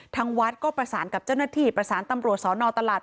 ทางวัดก็ประสานกับเจ้าหน้าที่ประสานตำรวจสอนอตลาด